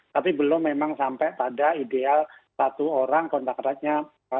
tapi belum memang sampai pada ideal satu orang kontak eratnya